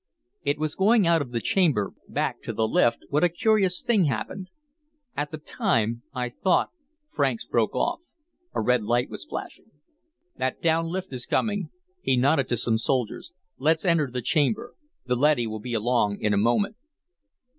It was going out of the chamber, back to the lift, when a curious thing happened. At the time, I thought " Franks broke off. A red light was flashing. "That down lift is coming." He nodded to some soldiers. "Let's enter the chamber. The leady will be along in a moment."